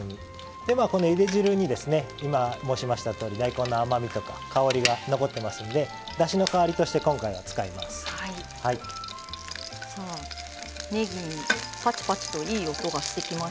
では、このゆで汁に申しましたとおり大根の甘みとか香りが残っていますのでだしの代わりとして今回は使います。